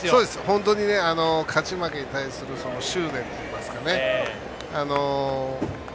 本当に勝ち負けに対する執念といいますかね。